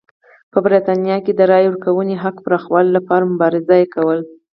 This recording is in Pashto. په برېټانیا کې یې د رایې ورکونې حق پراخولو لپاره مبارزه کوله.